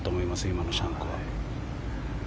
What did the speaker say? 今のシャンクは。